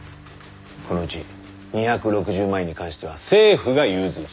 このうち２６０万円に関しては政府が融通する。